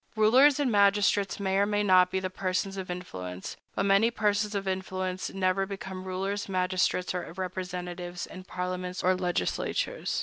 Rulers and magistrates may or may not be persons of influence; but many persons of influence never become rulers, magistrates, or representatives in parliaments or legislatures.